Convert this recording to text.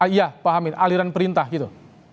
iya pak amin aliran perintah gitu